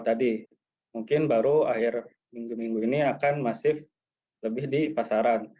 tadi mungkin baru akhir minggu minggu ini akan masif lebih di pasaran